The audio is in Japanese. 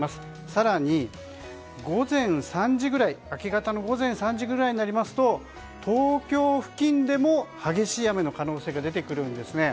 更に、明け方の午前３時ぐらいになりますと東京付近でも激しい雨の可能性が出てくるんですね。